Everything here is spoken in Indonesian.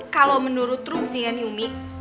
kalau menurut ruang si ini umi